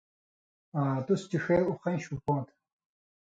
آں (تُس) چِݜے اُخَیں شُو پو تھہ۔